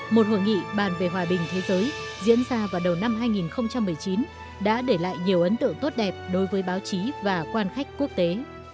một hội nghị bàn về hòa bình thế giới diễn ra vào đầu năm hai nghìn một mươi chín đã để lại nhiều ấn tượng tốt đẹp đối với báo chí và quan khách quốc tế